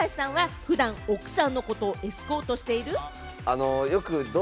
ちなみに高橋さんは普段、奥さんのことをエスコートしている？